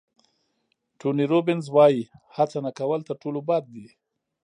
ټوني روبینز وایي هڅه نه کول تر ټولو بد دي.